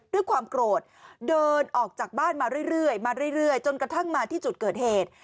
ด้วยความโกรธเดินออกจากบ้านมาเรื่อยมาเรื่อยจนกระทั่งมาที่จุดเกิดเหตุ